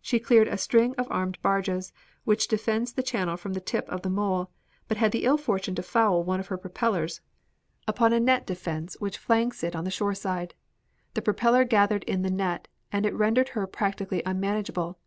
She cleared a string of armed barges, which defends the channel from the tip of the mole, but had the ill fortune to foul one of her propellers upon a net defense which flanks it on the shore side. The propeller gathered in the net and it rendered her practically unmanageable.